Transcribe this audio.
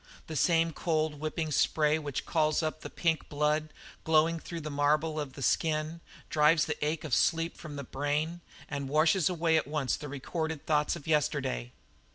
The same cold, whipping spray which calls up the pink blood, glowing through the marble of the skin, drives the ache of sleep from the brain, and washes away at once all the recorded thoughts of yesterday.